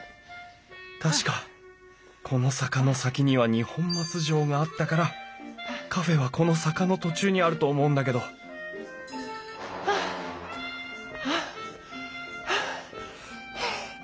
確かこの坂の先には二本松城があったからカフェはこの坂の途中にあると思うんだけどハアハアハアハアハアハア。